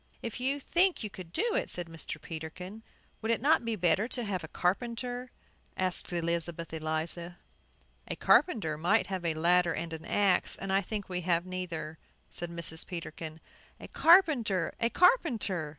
"If you think you could do it," said Mr. Peterkin. "Would it not be better to have a carpenter?" asked Elizabeth Eliza. "A carpenter might have a ladder and an axe, and I think we have neither," said Mrs. Peterkin. "A carpenter! A carpenter!"